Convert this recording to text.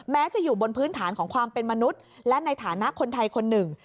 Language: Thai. จะอยู่บนพื้นฐานของความเป็นมนุษย์และในฐานะคนไทยคนหนึ่ง